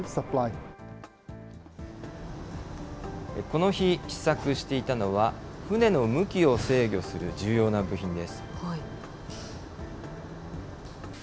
この日、試作していたのは船の向きを制御する重要な部品です。